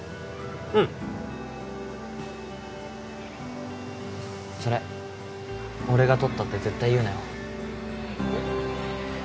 うんそれ俺が取ったって絶対言うなよえっ？